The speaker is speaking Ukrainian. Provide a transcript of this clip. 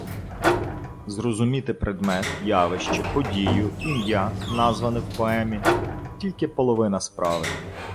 Зрозуміти предмет, явище, подію, ім'я, назване в поемі, — тільки половина справи.